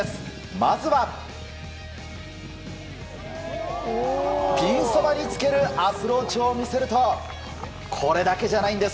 まずは、ピンそばにつけるアプローチを見せるとこれだけじゃないんです。